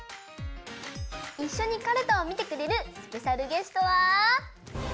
いっしょにかるたをみてくれるスペシャルゲストは。